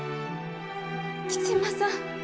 吉間さん。